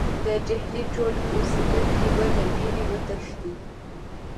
د ډهلي ټول اوسېدونکي به له وېرې وتښتي.